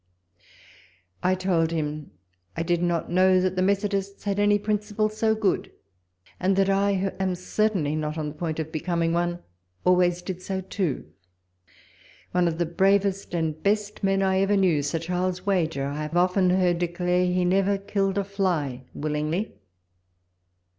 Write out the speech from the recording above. I told him I did not know that the Methodists had any principle so good, and that I, who am certainly not on the point of becoming one, always did so too. One of the bravest and best men I ever knew, Sir Charles Wager, I have often heard declare he never killed a fly willingly.